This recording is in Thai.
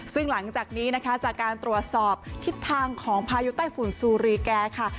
ซึ่งหลังจากนี้นะคะจากการตรวจสอบทิศทางของพายุใต้ฝุ่นซูรีแก่ค่ะ